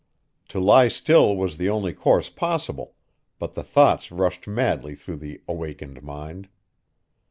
To lie still was the only course possible, but the thoughts rushed madly through the awakened mind.